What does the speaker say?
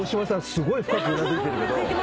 すごい深くうなずいてるけど。